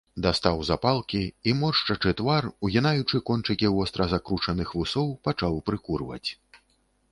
Дастаў запалкі і, моршчачы твар, угінаючы кончыкі востра закручаных вусоў, пачаў прыкурваць.